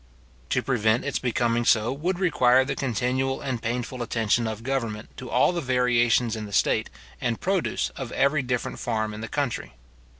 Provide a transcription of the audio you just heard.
To prevent its becoming so would require the continual and painful attention of government to all the variations in the state and produce of every different farm in the country.